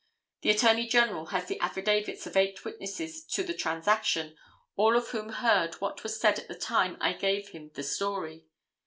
The Attorney General has the affidavits of eight witnesses to this transaction, all of whom heard what was said at the time I gave him the story.